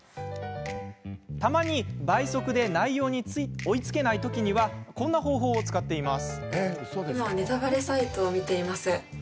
たまに、倍速で内容に追いつけない時にはこんな方法を使っています。